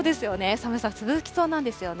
寒さ続きそうなんですよね。